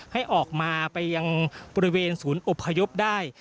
ให้ออกมาไปยังบริเวณศูนย์อบพยพได้